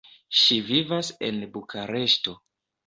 Ŝi vivas en Bukareŝto.